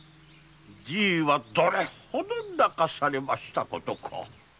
じいはどれほど泣かされましたことか。